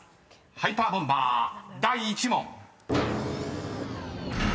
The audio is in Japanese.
ハイパーボンバー第１問］